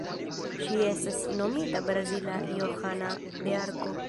Ŝi estis nomita "Brazila Johana de Arko".